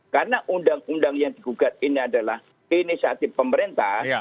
karena undang undang yang digugat ini adalah inisiatif pemerintah